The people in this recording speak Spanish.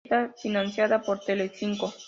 Está financiada por Telecinco.